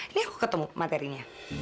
ini aku ketemu materinya